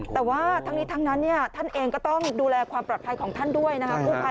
แต่ว่าทั้งนี้ทั้งนั้นท่านเองก็ต้องดูแลความปลอดภัยของท่านด้วยนะครับ